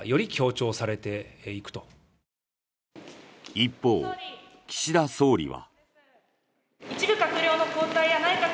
一方、岸田総理は。